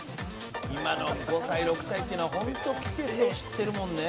今の５歳６歳っていうのはホント季節を知ってるもんね。